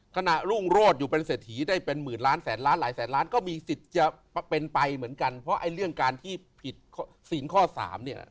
ขณะรุ่งโรศอยู่เป็นเศรษฐีได้เป็นหมื่นล้านแสนล้านหลายแสนล้านก็มีสิทธิ์จะเป็นไปเหมือนกันเพราะไอ้เรื่องการที่ผิดศีลข้อสามเนี่ย